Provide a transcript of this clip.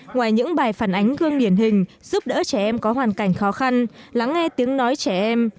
ngoài những bài phản ánh gương điển hình giúp đỡ trẻ em có hoàn cảnh khó khăn lắng nghe tiếng nói trẻ em